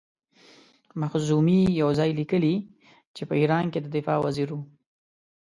مخزومي یو ځای لیکي چې په ایران کې د دفاع وزیر وو.